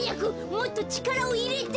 もっとちからをいれて。